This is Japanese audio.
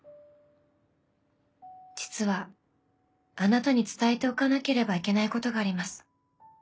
「実はあなたに伝えておかなければいけないことがあります。